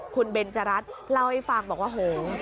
คุณเบนจรัสเล่าให้ฟังบอกว่าโห